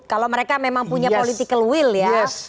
kalau mereka memang punya political will ya